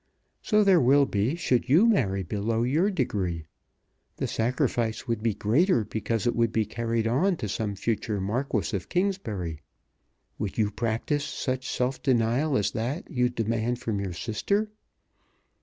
So there will be should you marry below your degree. The sacrifice would be greater because it would be carried on to some future Marquis of Kingsbury. Would you practise such self denial as that you demand from your sister?"